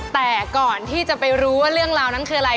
แต่ก่อนที่จะไปรู้ว่าเรื่องราวนั้นคืออะไร